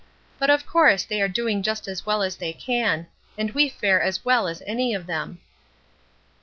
But of course they are doing just as well as they can, and we fare as well as any of them."